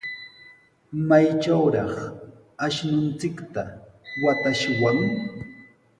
¿Maytrawraq ashnunchikta watashwan?